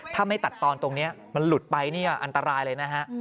ถ้าไม่ตัดตอนตรงนี้มันหลุดไปเนี่ยอันตรายเลยนะฮะ